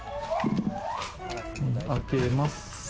開けます。